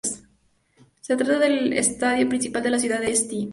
Se trata del estadio principal de la ciudad de St.